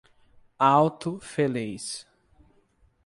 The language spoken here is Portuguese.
Alto Feliz